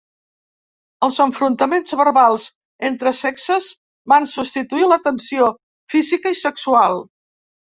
Els enfrontaments verbals entre sexes van substituir la tensió física i sexual.